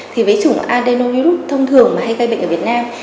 thì với chủng adenovirus thông thường mà hay gây bệnh ở việt nam